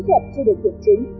tính thuật chưa được kiểm chứng